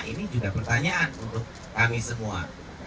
ini juga pertanyaan untuk kami semua